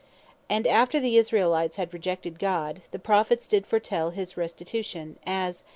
And after the Israelites had rejected God, the Prophets did foretell his restitution; as (Isaiah 24.